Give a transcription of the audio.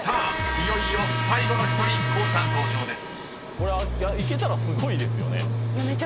いよいよ最後の１人こうちゃん登場です］